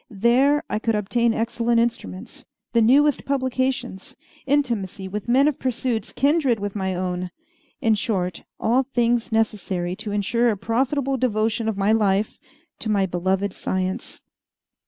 There I could obtain excellent instruments, the newest publications, intimacy with men of pursuits kindred with my own in short, all things necessary to ensure a profitable devotion of my life to my beloved science.